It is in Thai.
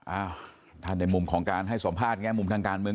อ้าวถ้าในมุมของการให้สัมภาษณ์แง่มุมทางการเมือง